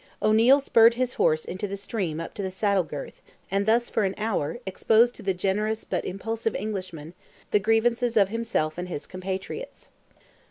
O'Neil spurred his horse into the stream up to the saddle girth, and thus for an hour, exposed to the generous but impulsive Englishman, the grievances of himself and his compatriots.